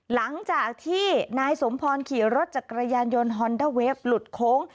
หลังจากที่นายสมพรขี่รถจักรยานยนต์ฮอนเดอร์เวฟหลุดโค้ง